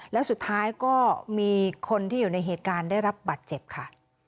แล้วสุดท้ายก็มีคนที่อยู่ในเหตุการณ์ได้รับบัตรเจ็บค่ะ